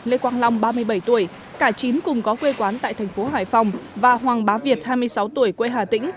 lê quang long ba mươi bảy tuổi cả chín cùng có quê quán tại thành phố hải phòng và hoàng bá việt hai mươi sáu tuổi quê hà tĩnh